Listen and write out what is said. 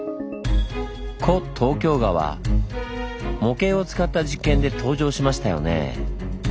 古東京川模型を使った実験で登場しましたよね。